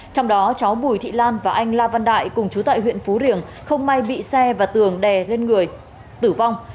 trong đó cháu bùi thị lan và anh la văn đại cùng chú tại huyện phú riềng không may bị xe và tường đè lên người tử vong